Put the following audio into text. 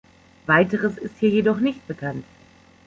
Weiteres ist hier jedoch nicht bekannt.